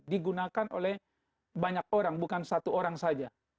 digunakan oleh banyak orang bukan satu orang saja